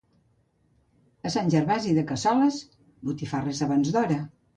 A Sant Gervasi de Cassoles, botifarres abans d'hora.